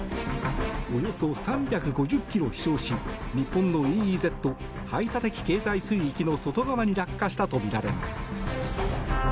およそ３５０ｋｍを飛翔し日本のＥＥＺ・排他的経済水域の外側に落下したとみられます。